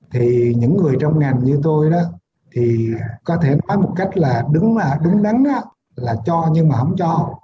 thì những người trong ngành như tôi đó thì có thể nói một cách là đứng đắn là cho nhưng mà không cho